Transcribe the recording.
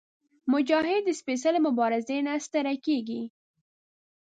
مجاهد د سپېڅلې مبارزې نه ستړی کېږي.